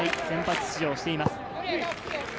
先発出場しています。